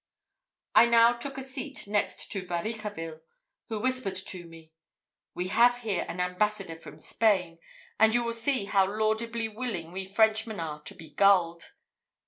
I now took a seat next to Varicarville, who whispered to me, "We have here an ambassador from Spain, and you will see how laudably willing we Frenchmen are to be gulled.